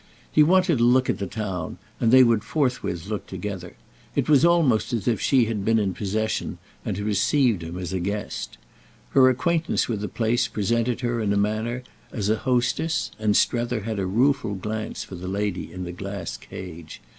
He wanted to look at the town, and they would forthwith look together. It was almost as if she had been in possession and received him as a guest. Her acquaintance with the place presented her in a manner as a hostess, and Strether had a rueful glance for the lady in the glass cage.